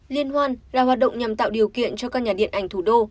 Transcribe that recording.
liên hoan là hoạt động nhằm tạo điều kiện cho các nhà điện ảnh thủ đô